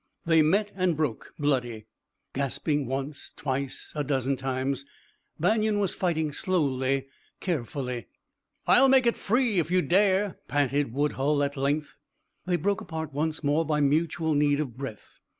They met and broke, bloody, gasping, once, twice, a dozen times. Banion was fighting slowly, carefully. "I'll make it free, if you dare!" panted Woodhull at length. They broke apart once more by mutual need of breath.